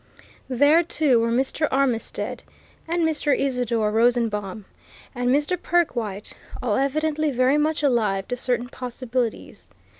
There, too, were Mr. Armitstead and Mr. Isidore Rosenbaum, and Mr. Perkwite, all evidently very much alive to certain possibilities.